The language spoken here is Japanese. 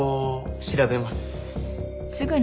調べます。